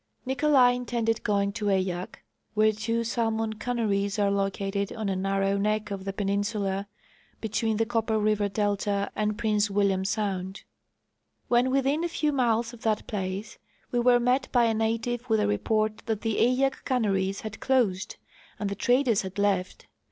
Nicolai intended going to Eyak, where two salmon canneries are located on a narrow neck of the peninsula between the Copper River delta and Prince A^'illiam sound. When within a few miles of that place we were met by a native with the report that the Eyak canneries had closed and the traders had left.